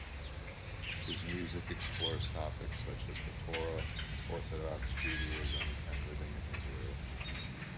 His music explores topics such as the Torah, Orthodox Judaism and living in Israel.